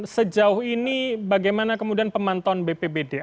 sejauh ini bagaimana kemudian pemantauan bp bddki